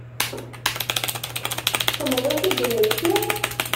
D temẓi-k i d-temmektiḍ?